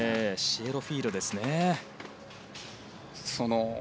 シエロフィーリョですね。